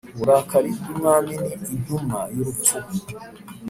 Uburakari bw umwami ni intumwa y urupfu